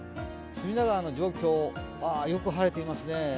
隅田川の状況、よく晴れていますね